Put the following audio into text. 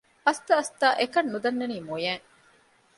އަސްތަ އަސްތާ އެކަން ނުދަންނަނީ މޮޔައިން